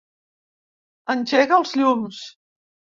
Engega els llums.